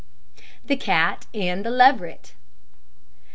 THE CAT AND THE LEVERET.